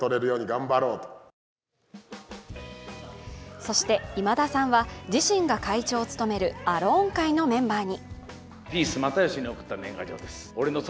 そして今田さんは自身が会長を務めるアローン会のメンバーに。